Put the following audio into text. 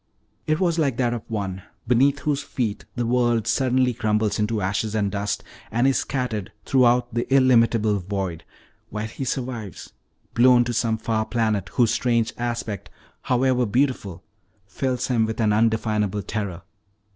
It was like that of one beneath whose feet the world suddenly crumbles into ashes and dust, and is scattered throughout the illimitable void, while he survives, blown to some far planet whose strange aspect, however beautiful, fills him with an undefinable terror.